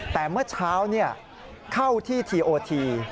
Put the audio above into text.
แต่เมื่อเช้าเข้าที่ทีโอที